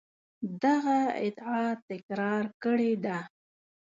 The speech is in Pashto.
دغه ادعا تکرار کړې ده.